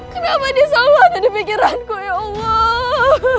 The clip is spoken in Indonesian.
kenapa diselamati di pikiranku ya allah